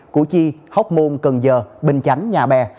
củ chi hóc môn cần giờ bình chánh nhà bè